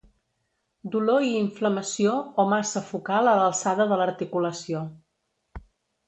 Dolor i inflamació o massa focal a l'alçada de l'articulació.